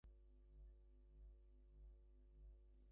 The district falls within the Bay of Plenty region.